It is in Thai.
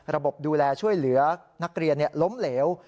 ดูแลช่วยเหลือนักเรียนล้มเหลว